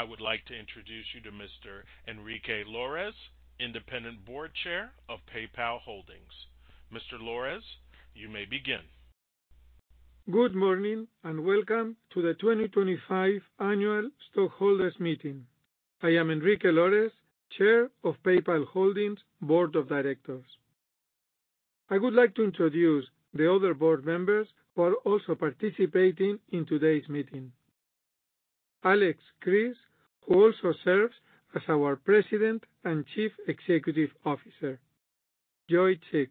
I would like to introduce you to Mr. Enrique Lores, Independent Board Chair of PayPal Holdings. Mr. Lores, you may begin. Good morning and welcome to the 2025 Annual Stockholders' Meeting. I am Enrique Lores, Chair of PayPal Holdings Board of Directors. I would like to introduce the other board members who are also participating in today's meeting: Alex Chriss, who also serves as our President and Chief Executive Officer; Joy Chik;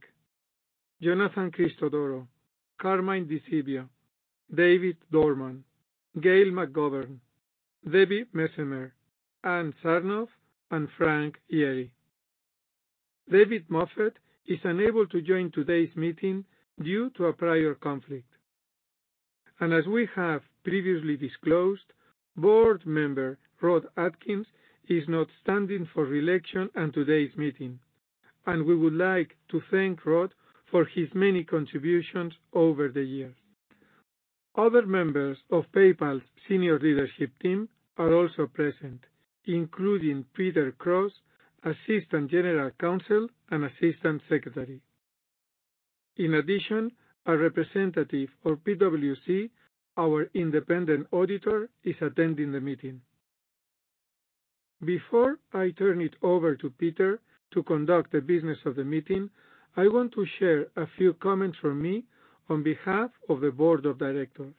Jonathan Christodoro; Carmine Di Sibio; David Dorman; Gail McGovern; Debbie Messemer; Ann Sarnoff, and Frank Yeary. David Moffett is unable to join today's meeting due to a prior conflict. As we have previously disclosed, board member Rod Atkins is not standing for re-election at today's meeting, and we would like to thank Rod for his many contributions over the years. Other members of PayPal's Senior Leadership Team are also present, including Peter Cross, Assistant General Counsel and Assistant Secretary. In addition, a representative of PWC, our independent auditor, is attending the meeting. Before I turn it over to Peter to conduct the business of the meeting, I want to share a few comments from me on behalf of the Board of Directors.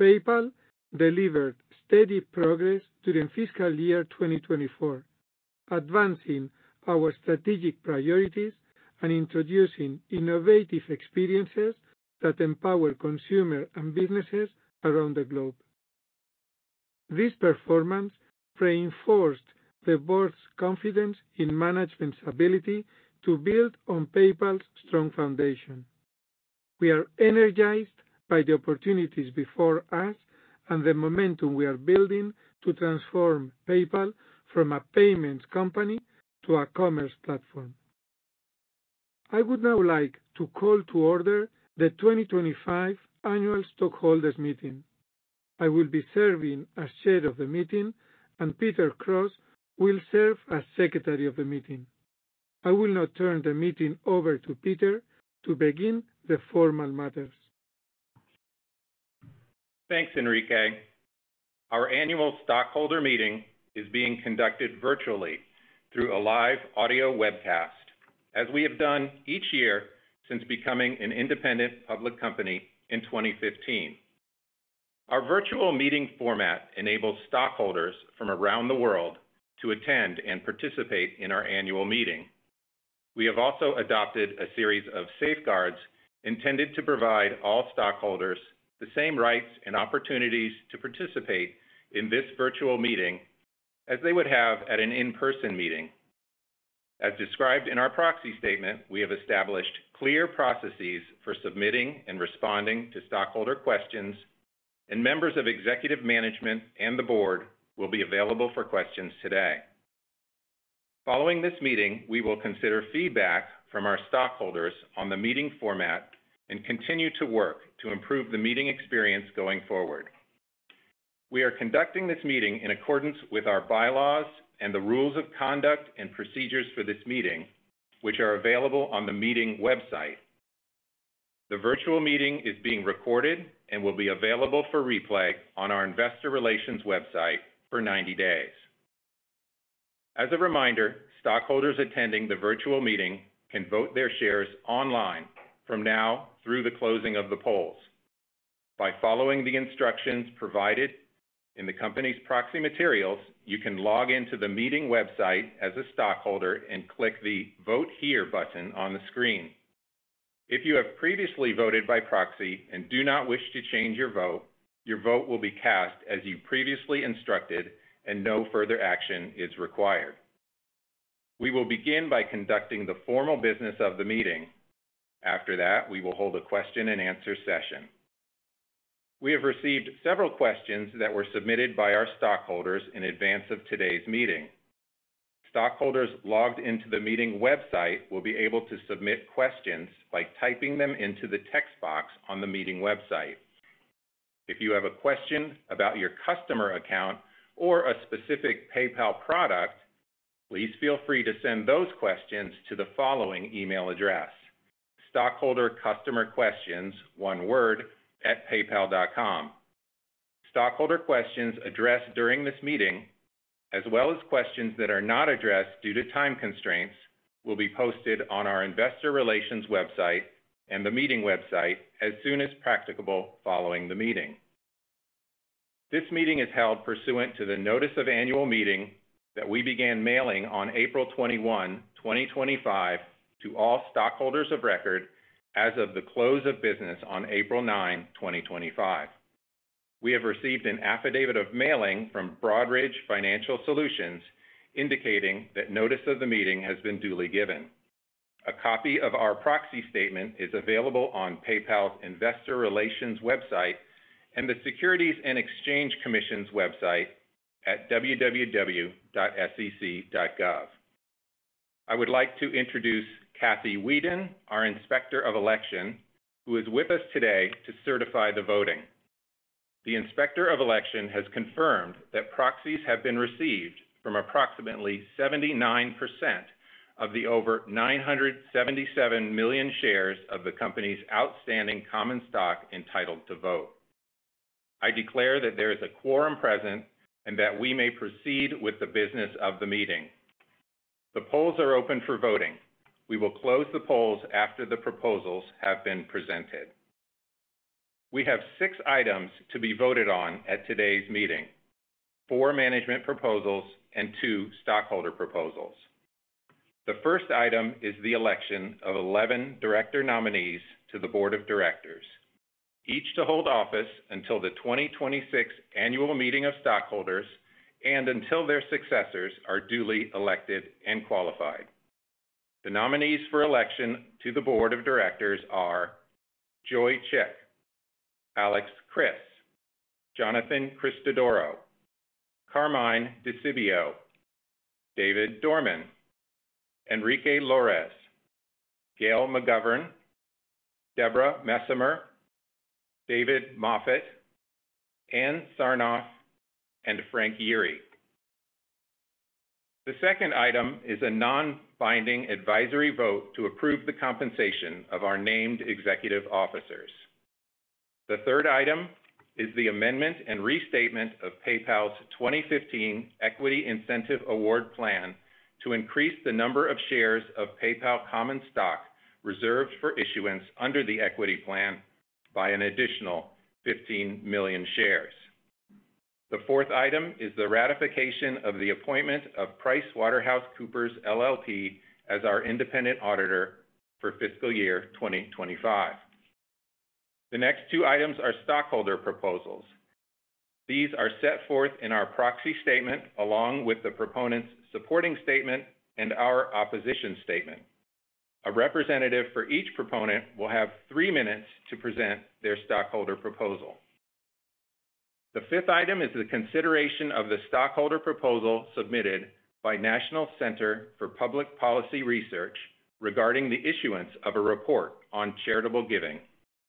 PayPal delivered steady progress during fiscal year 2024, advancing our strategic priorities and introducing innovative experiences that empower consumers and businesses around the globe. This performance reinforced the Board's confidence in management's ability to build on PayPal's strong foundation. We are energized by the opportunities before us and the momentum we are building to transform PayPal from a payments company to a commerce platform. I would now like to call to order the 2025 Annual Stockholders' Meeting. I will be serving as Chair of the Meeting, and Peter Cross will serve as Secretary of the Meeting. I will now turn the meeting over to Peter to begin the formal matters. Thanks, Enrique. Our Annual Stockholder Meeting is being conducted virtually through a live audio webcast, as we have done each year since becoming an independent public company in 2015. Our virtual meeting format enables stockholders from around the world to attend and participate in our annual meeting. We have also adopted a series of safeguards intended to provide all stockholders the same rights and opportunities to participate in this virtual meeting as they would have at an in-person meeting. As described in our proxy statement, we have established clear processes for submitting and responding to stockholder questions, and members of executive management and the board will be available for questions today. Following this meeting, we will consider feedback from our stockholders on the meeting format and continue to work to improve the meeting experience going forward. We are conducting this meeting in accordance with our bylaws and the rules of conduct and procedures for this meeting, which are available on the meeting website. The virtual meeting is being recorded and will be available for replay on our investor relations website for 90 days. As a reminder, stockholders attending the virtual meeting can vote their shares online from now through the closing of the polls. By following the instructions provided in the company's proxy materials, you can log into the meeting website as a stockholder and click the "Vote Here" button on the screen. If you have previously voted by proxy and do not wish to change your vote, your vote will be cast as you previously instructed, and no further action is required. We will begin by conducting the formal business of the meeting. After that, we will hold a question-and-answer session. We have received several questions that were submitted by our stockholders in advance of today's meeting. Stockholders logged into the meeting website will be able to submit questions by typing them into the text box on the meeting website. If you have a question about your customer account or a specific PayPal product, please feel free to send those questions to the following email address: stockholdercustomerquestions1word@paypal.com. Stockholder questions addressed during this meeting, as well as questions that are not addressed due to time constraints, will be posted on our investor relations website and the meeting website as soon as practicable following the meeting. This meeting is held pursuant to the notice of annual meeting that we began mailing on April 21, 2025, to all stockholders of record as of the close of business on April 9, 2025. We have received an affidavit of mailing from Broadridge Financial Solutions indicating that notice of the meeting has been duly given. A copy of our proxy statement is available on PayPal's investor relations website and the Securities and Exchange Commission's website at www.sec.gov. I would like to introduce Kathy Wieden, our Inspector of Election, who is with us today to certify the voting. The Inspector of Election has confirmed that proxies have been received from approximately 79% of the over 977 million shares of the company's outstanding common stock entitled to vote. I declare that there is a quorum present and that we may proceed with the business of the meeting. The polls are open for voting. We will close the polls after the proposals have been presented. We have six items to be voted on at today's meeting: four management proposals and two stockholder proposals. The first item is the election of 11 director nominees to the Board of Directors, each to hold office until the 2026 Annual Meeting of Stockholders and until their successors are duly elected and qualified. The nominees for election to the Board of Directors are Joy Chik, Alex Chriss, Jonathan Christodoro, Carmine Di Sibio, David Dorman, Enrique Lores, Gail McGovern, Deborah Messemer, David Moffett, Ann Sarnoff, and Frank Yeary. The second item is a non-binding advisory vote to approve the compensation of our named executive officers. The third item is the amendment and restatement of PayPal's 2015 Equity Incentive Award Plan to increase the number of shares of PayPal common stock reserved for issuance under the equity plan by an additional 15 million shares. The fourth item is the ratification of the appointment of PricewaterhouseCoopers LLP as our independent auditor for fiscal year 2025. The next two items are stockholder proposals. These are set forth in our proxy statement along with the proponent's supporting statement and our opposition statement. A representative for each proponent will have three minutes to present their stockholder proposal. The fifth item is the consideration of the stockholder proposal submitted by National Center for Public Policy Research regarding the issuance of a report on charitable giving,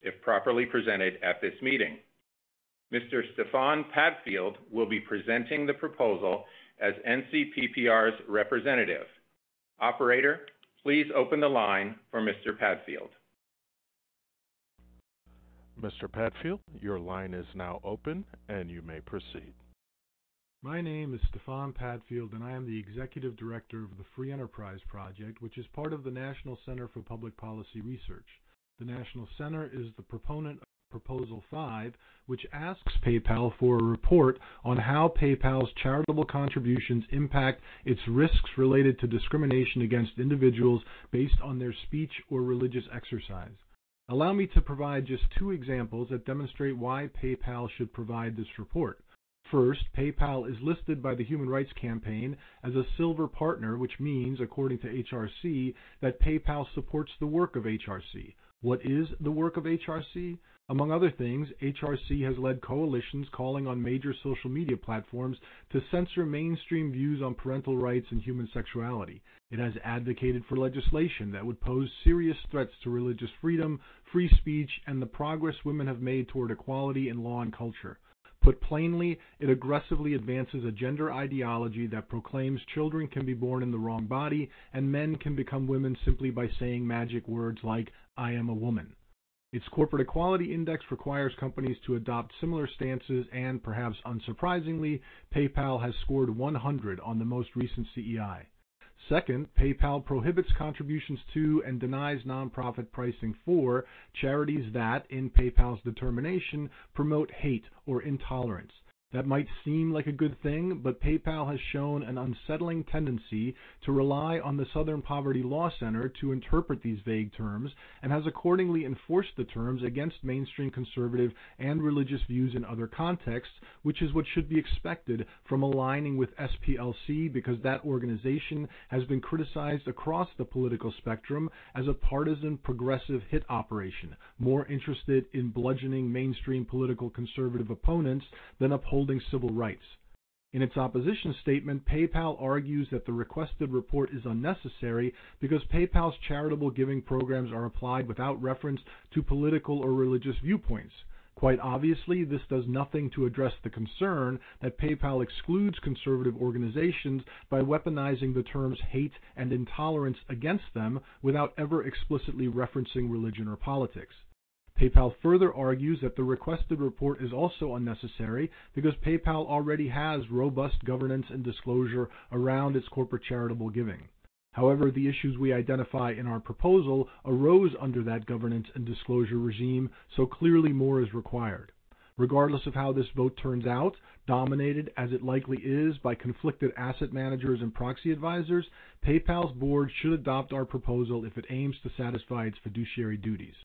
if properly presented at this meeting. Mr. Stefan Padfield will be presenting the proposal as NCPPR's representative. Operator, please open the line for Mr. Padfield. Mr. Padfield, your line is now open, and you may proceed. My name is Stefan Padfield, and I am the Executive Director of the Free Enterprise Project, which is part of the National Center for Public Policy Research. The National Center is the proponent of Proposal 5, which asks PayPal for a report on how PayPal's charitable contributions impact its risks related to discrimination against individuals based on their speech or religious exercise. Allow me to provide just two examples that demonstrate why PayPal should provide this report. First, PayPal is listed by the Human Rights Campaign as a silver partner, which means, according to HRC, that PayPal supports the work of HRC. What is the work of HRC? Among other things, HRC has led coalitions calling on major social media platforms to censor mainstream views on parental rights and human sexuality. It has advocated for legislation that would pose serious threats to religious freedom, free speech, and the progress women have made toward equality in law and culture. Put plainly, it aggressively advances a gender ideology that proclaims children can be born in the wrong body and men can become women simply by saying magic words like, "I am a woman." Its Corporate Equality Index requires companies to adopt similar stances, and perhaps unsurprisingly, PayPal has scored 100 on the most recent CEI. Second, PayPal prohibits contributions to and denies nonprofit pricing for charities that, in PayPal's determination, promote hate or intolerance. That might seem like a good thing, but PayPal has shown an unsettling tendency to rely on the Southern Poverty Law Center to interpret these vague terms and has accordingly enforced the terms against mainstream conservative and religious views in other contexts, which is what should be expected from aligning with SPLC because that organization has been criticized across the political spectrum as a partisan progressive hit operation more interested in bludgeoning mainstream political conservative opponents than upholding civil rights. In its opposition statement, PayPal argues that the requested report is unnecessary because PayPal's charitable giving programs are applied without reference to political or religious viewpoints. Quite obviously, this does nothing to address the concern that PayPal excludes conservative organizations by weaponizing the terms hate and intolerance against them without ever explicitly referencing religion or politics. PayPal further argues that the requested report is also unnecessary because PayPal already has robust governance and disclosure around its corporate charitable giving. However, the issues we identify in our proposal arose under that governance and disclosure regime, so clearly more is required. Regardless of how this vote turns out, dominated as it likely is by conflicted asset managers and proxy advisors, PayPal's board should adopt our proposal if it aims to satisfy its fiduciary duties.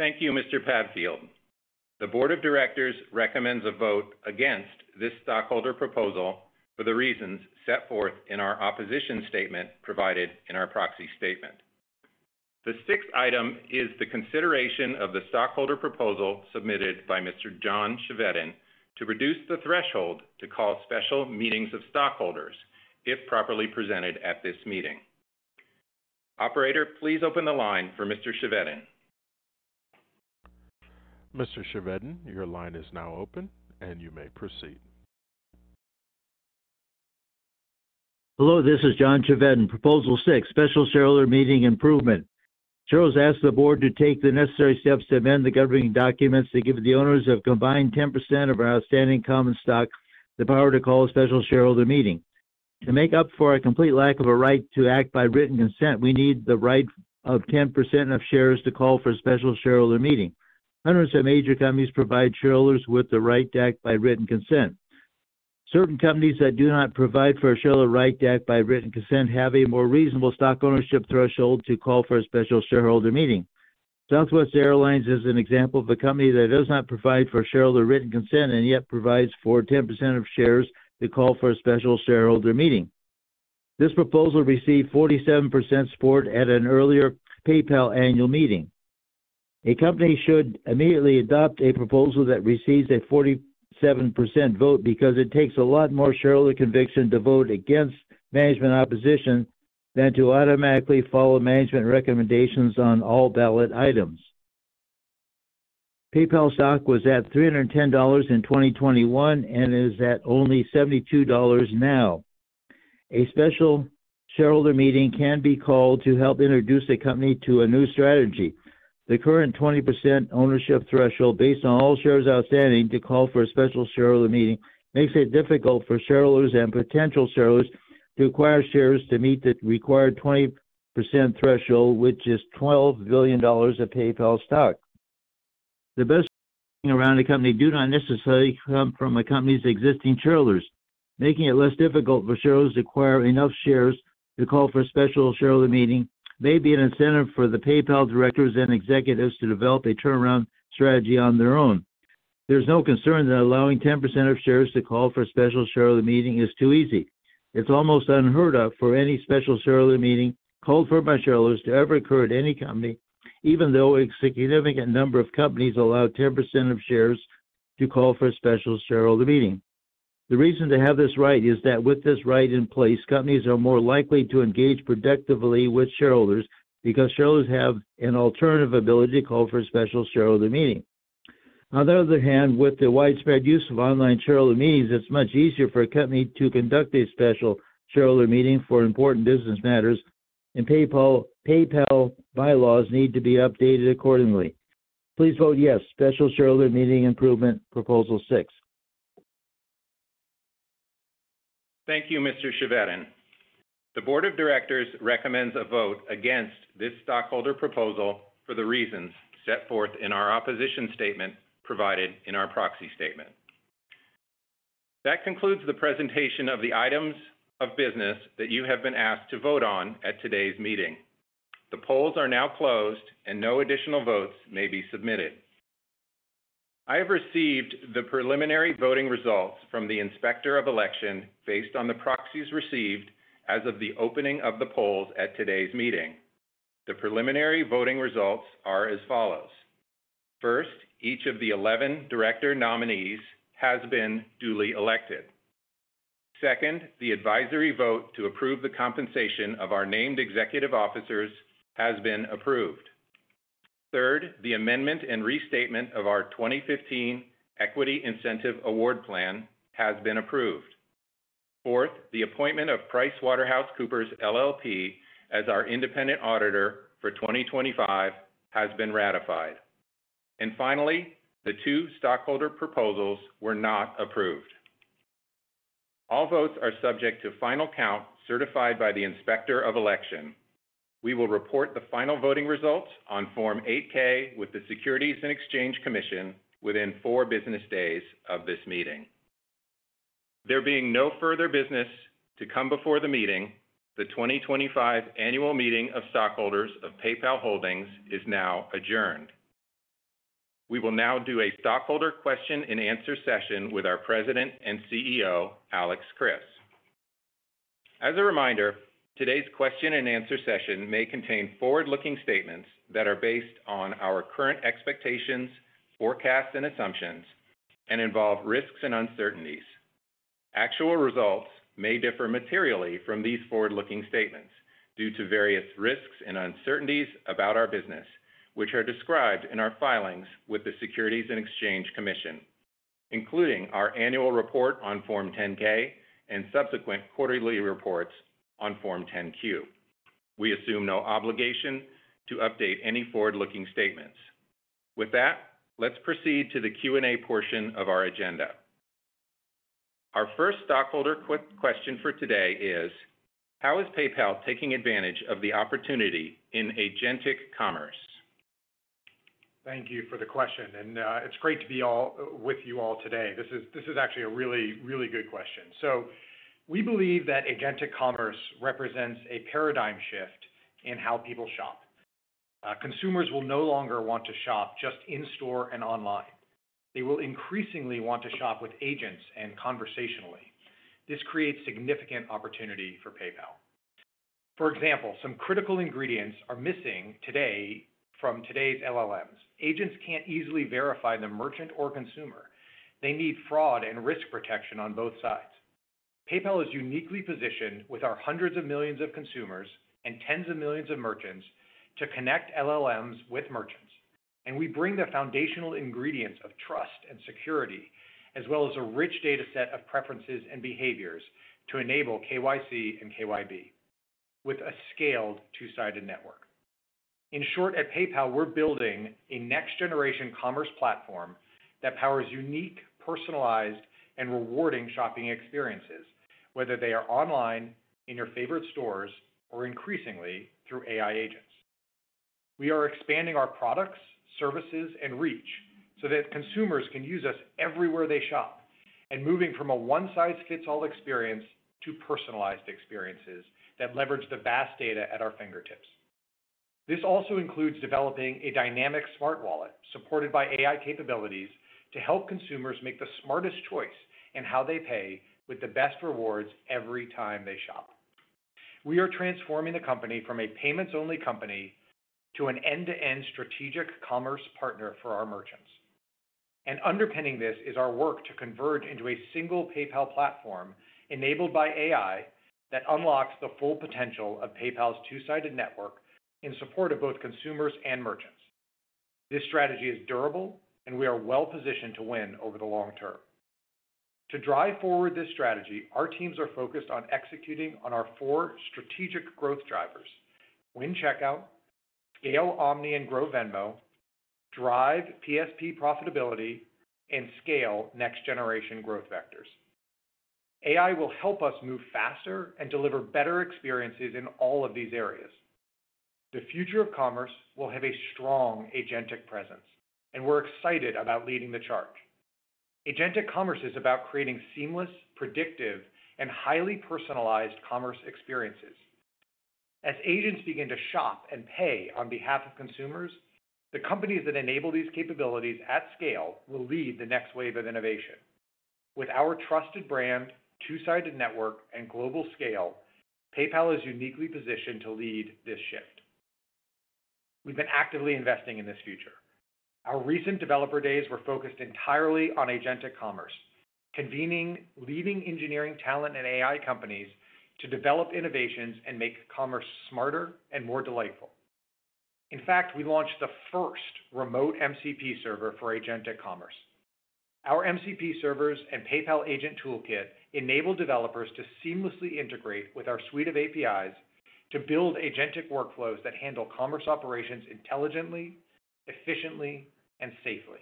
Thank you, Mr. Padfield. The Board of Directors recommends a vote against this stockholder proposal for the reasons set forth in our opposition statement provided in our proxy statement. The sixth item is the consideration of the stockholder proposal submitted by Mr. John Chevedden to reduce the threshold to call special meetings of stockholders if properly presented at this meeting. Operator, please open the line for Mr. Chevedden. Mr. Chevedden, your line is now open, and you may proceed. Hello, this is John Chevedden. Proposal six, Special Shareholder Meeting Improvement. Shareholders ask the board to take the necessary steps to amend the governing documents to give the owners of combined 10% of our outstanding common stock the power to call a special shareholder meeting. To make up for a complete lack of a right to act by written consent, we need the right of 10% of shares to call for a special shareholder meeting. Hundreds of major companies provide shareholders with the right to act by written consent. Certain companies that do not provide for a shareholder right to act by written consent have a more reasonable stock ownership threshold to call for a special shareholder meeting. Southwest Airlines is an example of a company that does not provide for shareholder written consent and yet provides for 10% of shares to call for a special shareholder meeting. This proposal received 47% support at an earlier PayPal annual meeting. A company should immediately adopt a proposal that receives a 47% vote because it takes a lot more shareholder conviction to vote against management opposition than to automatically follow management recommendations on all ballot items. PayPal stock was at $310 in 2021 and is at only $72 now. A special shareholder meeting can be called to help introduce a company to a new strategy. The current 20% ownership threshold based on all shares outstanding to call for a special shareholder meeting makes it difficult for shareholders and potential shareholders to acquire shares to meet the required 20% threshold, which is $12 billion of PayPal stock. The best around a company do not necessarily come from a company's existing shareholders. Making it less difficult for shareholders to acquire enough shares to call for a special shareholder meeting may be an incentive for the PayPal directors and executives to develop a turnaround strategy on their own. There is no concern that allowing 10% of shares to call for a special shareholder meeting is too easy. It's almost unheard of for any special shareholder meeting called for by shareholders to ever occur at any company, even though a significant number of companies allow 10% of shares to call for a special shareholder meeting. The reason to have this right is that with this right in place, companies are more likely to engage productively with shareholders because shareholders have an alternative ability to call for a special shareholder meeting. On the other hand, with the widespread use of online shareholder meetings, it's much easier for a company to conduct a special shareholder meeting for important business matters, and PayPal bylaws need to be updated accordingly. Please vote yes, special shareholder meeting improvement proposal six. Thank you, Mr. Chevedden. The Board of Directors recommends a vote against this stockholder proposal for the reasons set forth in our opposition statement provided in our proxy statement. That concludes the presentation of the items of business that you have been asked to vote on at today's meeting. The polls are now closed, and no additional votes may be submitted. I have received the preliminary voting results from the Inspector of Election based on the proxies received as of the opening of the polls at today's meeting. The preliminary voting results are as follows. First, each of the 11 director nominees has been duly elected. Second, the advisory vote to approve the compensation of our named executive officers has been approved. Third, the amendment and restatement of our 2015 Equity Incentive Award Plan has been approved. Fourth, the appointment of PricewaterhouseCoopers LLP as our independent auditor for 2025 has been ratified. Finally, the two stockholder proposals were not approved. All votes are subject to final count certified by the Inspector of Election. We will report the final voting results on Form 8-K with the Securities and Exchange Commission within four business days of this meeting. There being no further business to come before the meeting, the 2025 Annual Meeting of Stockholders of PayPal Holdings is now adjourned. We will now do a stockholder question-and-answer session with our President and CEO, Alex Chriss. As a reminder, today's question-and-answer session may contain forward-looking statements that are based on our current expectations, forecasts, and assumptions, and involve risks and uncertainties. Actual results may differ materially from these forward-looking statements due to various risks and uncertainties about our business, which are described in our filings with the Securities and Exchange Commission, including our annual report on Form 10-K and subsequent quarterly reports on Form 10-Q. We assume no obligation to update any forward-looking statements. With that, let's proceed to the Q&A portion of our agenda. Our first stockholder question for today is, how is PayPal taking advantage of the opportunity in agentic commerce? Thank you for the question. It's great to be with you all today. This is actually a really, really good question. We believe that agentic commerce represents a paradigm shift in how people shop. Consumers will no longer want to shop just in store and online. They will increasingly want to shop with agents and conversationally. This creates significant opportunity for PayPal. For example, some critical ingredients are missing today from today's LLMs. Agents can't easily verify the merchant or consumer. They need fraud and risk protection on both sides. PayPal is uniquely positioned with our hundreds of millions of consumers and tens of millions of merchants to connect LLMs with merchants. We bring the foundational ingredients of trust and security, as well as a rich data set of preferences and behaviors to enable KYC and KYB with a scaled two-sided network. In short, at PayPal, we're building a next-generation commerce platform that powers unique, personalized, and rewarding shopping experiences, whether they are online, in your favorite stores, or increasingly through AI agents. We are expanding our products, services, and reach so that consumers can use us everywhere they shop, and moving from a one-size-fits-all experience to personalized experiences that leverage the vast data at our fingertips. This also includes developing a dynamic smart wallet supported by AI capabilities to help consumers make the smartest choice in how they pay with the best rewards every time they shop. We are transforming the company from a payments-only company to an end-to-end strategic commerce partner for our merchants. Underpinning this is our work to converge into a single PayPal platform enabled by AI that unlocks the full potential of PayPal's two-sided network in support of both consumers and merchants. This strategy is durable, and we are well-positioned to win over the long term. To drive forward this strategy, our teams are focused on executing on our four strategic growth drivers: win checkout, scale Omni and grow Venmo, drive PSP profitability, and scale next-generation growth vectors. AI will help us move faster and deliver better experiences in all of these areas. The future of commerce will have a strong agentic presence, and we're excited about leading the charge. Agentic commerce is about creating seamless, predictive, and highly personalized commerce experiences. As agents begin to shop and pay on behalf of consumers, the companies that enable these capabilities at scale will lead the next wave of innovation. With our trusted brand, two-sided network, and global scale, PayPal is uniquely positioned to lead this shift. We've been actively investing in this future. Our recent developer days were focused entirely on agentic commerce, convening leading engineering talent and AI companies to develop innovations and make commerce smarter and more delightful. In fact, we launched the first remote MCP server for agentic commerce. Our MCP servers and PayPal Agent Toolkit enable developers to seamlessly integrate with our suite of APIs to build agentic workflows that handle commerce operations intelligently, efficiently, and safely.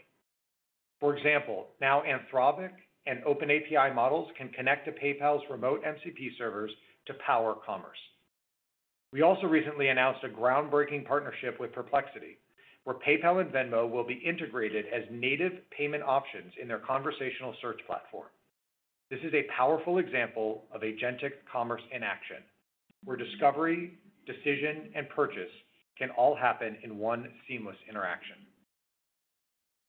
For example, now Anthropic and OpenAI models can connect to PayPal's remote MCP servers to power commerce. We also recently announced a groundbreaking partnership with Perplexity, where PayPal and Venmo will be integrated as native payment options in their conversational search platform. This is a powerful example of agentic commerce in action, where discovery, decision, and purchase can all happen in one seamless interaction.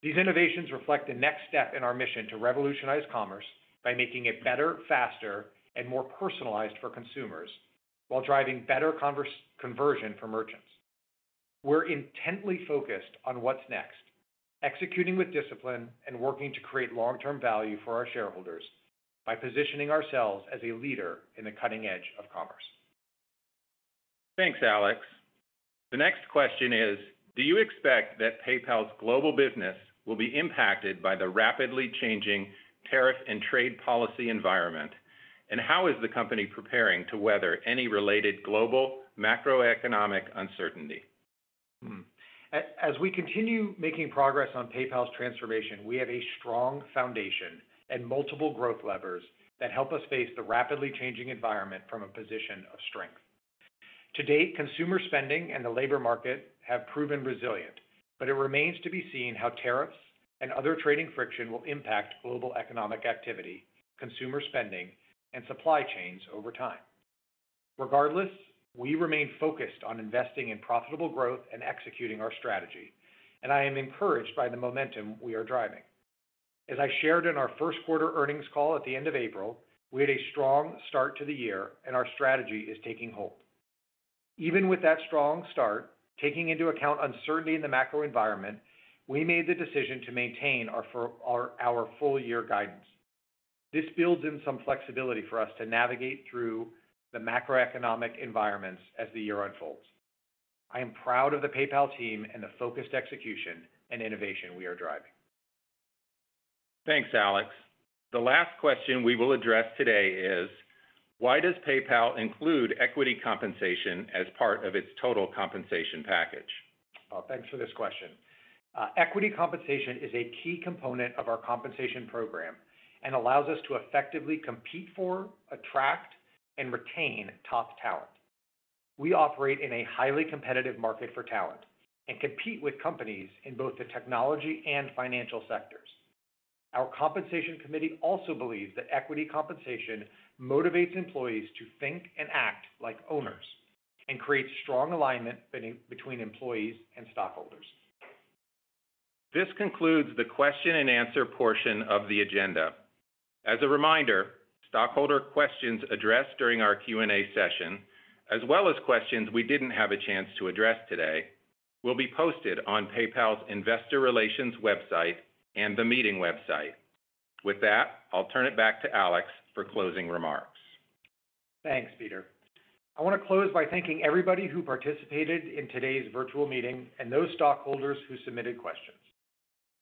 These innovations reflect the next step in our mission to revolutionize commerce by making it better, faster, and more personalized for consumers while driving better conversion for merchants. We're intently focused on what's next, executing with discipline and working to create long-term value for our shareholders by positioning ourselves as a leader in the cutting edge of commerce. Thanks, Alex. The next question is, do you expect that PayPal's global business will be impacted by the rapidly changing tariff and trade policy environment? How is the company preparing to weather any related global macroeconomic uncertainty? As we continue making progress on PayPal's transformation, we have a strong foundation and multiple growth levers that help us face the rapidly changing environment from a position of strength. To date, consumer spending and the labor market have proven resilient, but it remains to be seen how tariffs and other trading friction will impact global economic activity, consumer spending, and supply chains over time. Regardless, we remain focused on investing in profitable growth and executing our strategy, and I am encouraged by the momentum we are driving. As I shared in our first quarter earnings call at the end of April, we had a strong start to the year, and our strategy is taking hold. Even with that strong start, taking into account uncertainty in the macro environment, we made the decision to maintain our full-year guidance. This builds in some flexibility for us to navigate through the macroeconomic environments as the year unfolds. I am proud of the PayPal team and the focused execution and innovation we are driving. Thanks, Alex. The last question we will address today is, why does PayPal include equity compensation as part of its total compensation package? Thanks for this question. Equity compensation is a key component of our compensation program and allows us to effectively compete for, attract, and retain top talent. We operate in a highly competitive market for talent and compete with companies in both the technology and financial sectors. Our compensation committee also believes that equity compensation motivates employees to think and act like owners and creates strong alignment between employees and stockholders. This concludes the question-and-answer portion of the agenda. As a reminder, stockholder questions addressed during our Q&A session, as well as questions we did not have a chance to address today, will be posted on PayPal's investor relations website and the meeting website. With that, I'll turn it back to Alex for closing remarks. Thanks, Peter. I want to close by thanking everybody who participated in today's virtual meeting and those stockholders who submitted questions.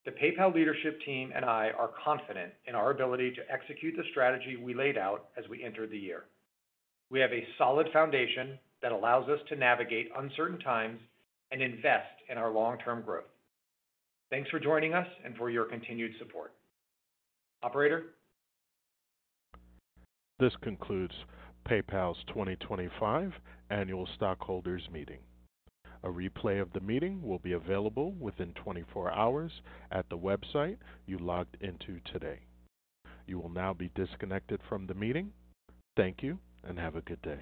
The PayPal leadership team and I are confident in our ability to execute the strategy we laid out as we enter the year. We have a solid foundation that allows us to navigate uncertain times and invest in our long-term growth. Thanks for joining us and for your continued support. Operator. This concludes PayPal's 2025 Annual Stockholders Meeting. A replay of the meeting will be available within 24 hours at the website you logged into today. You will now be disconnected from the meeting. Thank you and have a good day.